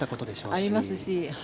ありますし。